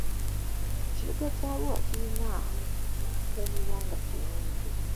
Ekibuga kya Arua kirina okukuumibwa nga kiyonjo .